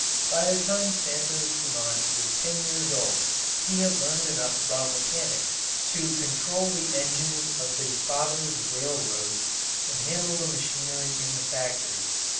By the time Santos Dumont was ten years old he had learned enough about mechanics to control the engines of his father's railroads and handle the machinery in the factories.